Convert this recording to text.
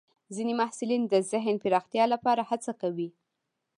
ځینې محصلین د ذهن پراختیا لپاره هڅه کوي.